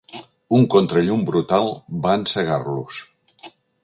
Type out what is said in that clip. Un contrallum brutal va encegar-los.